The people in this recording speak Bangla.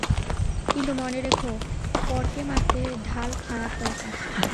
কিন্তু মনে রেখো, পরকে মারতে ঢাল খাঁড়ার দরকার।